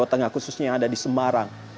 jawa tengah khususnya yang ada di semarang